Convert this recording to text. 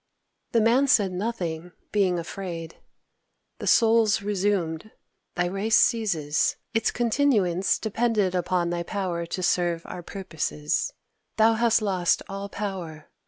The Man said nothing, being afraid. The Souls resumed: "Thy race ceases. Its continuance depended upon thy power to serve our purposes. Thou hast lost all power.